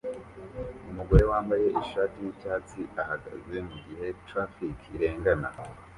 Umugore wambaye ishati yicyatsi ahagaze mugihe traffic irengana